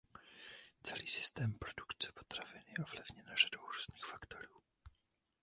Celý systém produkce potravin je ovlivněn řadou různých faktorů.